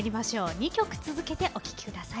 ２曲続けてお聴きください。